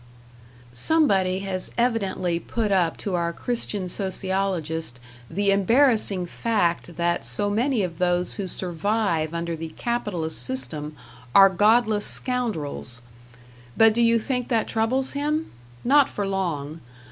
Somebody has evidently put up to our Christian sociologist the embarrassing fact that so many of those who survive under the capitalist system are godless scoundrels. But do you think that troubles him? Not for long.